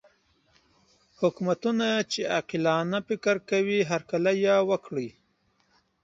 حکومتونه چې عاقلانه فکر کوي هرکلی وکړي.